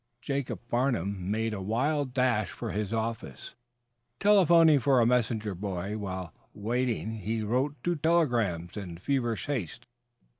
Jacob Farnum made a wild dash for his office, telephoning for a messenger boy. While waiting he wrote two telegrams in feverish haste.